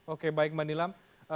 oke baik mbak nilam